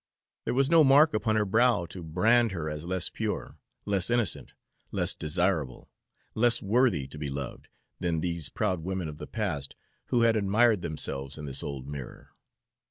There was no mark upon her brow to brand her as less pure, less innocent, less desirable, less worthy to be loved, than these proud women of the past who had admired themselves in this old mirror.